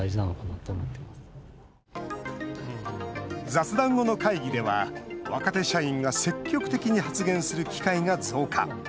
雑談後の会議では若手社員が積極的に発言する機会が増加。